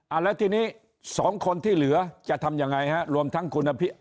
อ่ะแล้วทีนี้๒คนที่เหลือจะทำยังไงฮะรวมทั้งคุณลำโรงบ้วย